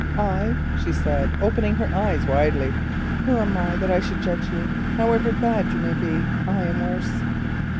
"I?" she said, opening her eyes widely; "who am I that I should judge you? However bad you may be, I am worse."